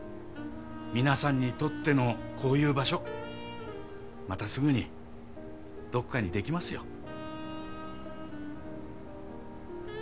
皆さんにとってのこういう場所またすぐにどこかにできますよ。